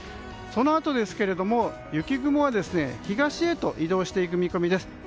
そのあと、雪雲は東へと移動していく見込みです。